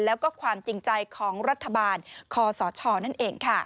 แล้วก็ความจริงใจของรัฐบาลคอสชนั่นเองค่ะ